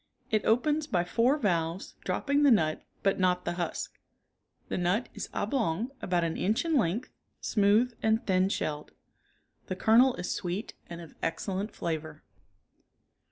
It opens by four valves dropping the nut but not the husk. The nut is oblong, about an inch in length, smooth and thin shelled. The kernel is sweet and of excellent flavor.